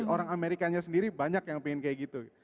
orang amerikanya sendiri banyak yang pengen kayak gitu